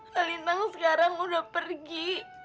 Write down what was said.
kak lintang sekarang udah pergi